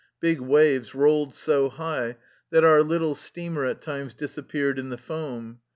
Big waves rolled so high that our little steamer at times disap peared in the foam.